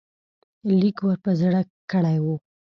لیک ور په زړه کړی وو.